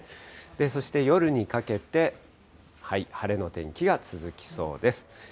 そして夜にかけて、晴れの天気が続きそうです。